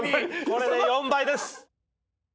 これで４倍です。